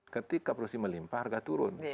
ketika produksi melimpa harga turun